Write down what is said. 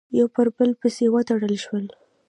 یو پر بل پسې وتړل شول،